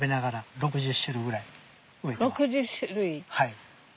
はい。